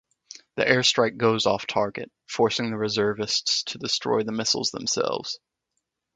The airstrike goes off-target, forcing the reservists to destroy the missiles themselves.